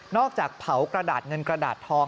จากเผากระดาษเงินกระดาษทอง